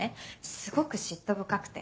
すごく嫉妬深くて。